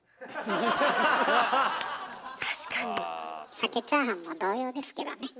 さけチャーハンも同様ですけどね。